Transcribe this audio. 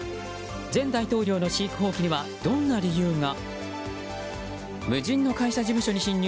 前大統領の飼育放棄にはこんにちは。